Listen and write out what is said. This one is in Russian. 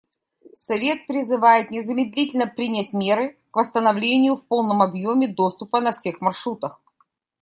Совет призывает незамедлительно принять меры к восстановлению в полном объеме доступа на всех маршрутах.